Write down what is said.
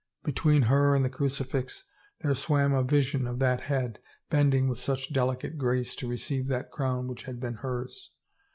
Between her and the crucifix there swam a vision of that head, bending with such delicate grace to receive that crown which had been hers.